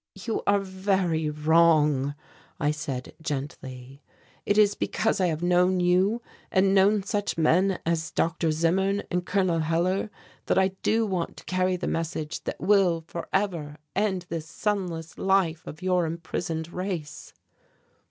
"You are very wrong," I said gently. "It is because I have known you and known such men as Dr. Zimmern and Col. Hellar that I do want to carry the message that will for ever end this sunless life of your imprisoned race."